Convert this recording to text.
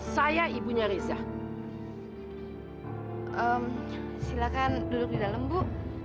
silahkan duduk di dalam bu